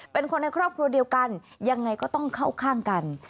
เป็นคนในครอบครัวเดียวกันยังไงก็ต้องเข้าข้างกัน